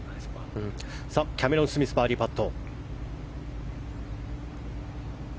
キャメロン・スミスバーディーパット。